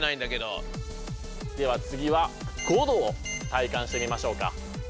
では次は５度を体感してみましょうか。